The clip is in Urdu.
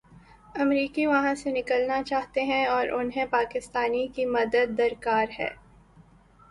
امریکی وہاں سے نکلنا چاہتے ہیں اور انہیں پاکستان کی مدد درکار ہے۔